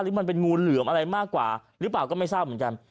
มันเป็นงูเหลือมอะไรมากกว่าหรือเปล่าก็ไม่ทราบเหมือนกัน